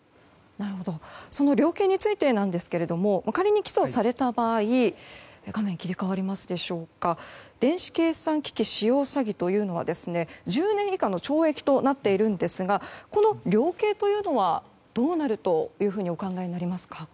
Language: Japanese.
その量刑についてですが仮に起訴された場合電子計算機使用詐欺というのは１０年以下の懲役となっているんですがこの量刑というのはどうなるというふうにお考えになりますか。